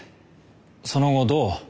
その後どう？